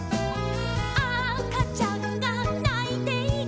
「あかちゃんがないている」